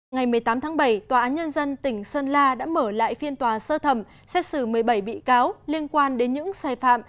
ngày một mươi tám tháng bảy tòa án nhân dân tỉnh sơn la đã mở lại phiên tòa sơ thẩm xét xử một mươi bảy bị cáo liên quan đến những sai phạm